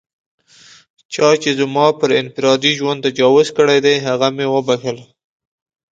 چا چې زما پر انفرادي ژوند تجاوز کړی دی، هغه مې و بښل.